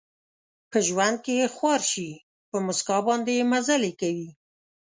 په ژوند کې خوار شي، په مسکا باندې مزلې کوي